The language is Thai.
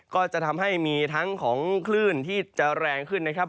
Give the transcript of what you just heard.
ก็จะทำให้มีทั้งของคลื่นที่จะแรงขึ้นนะครับ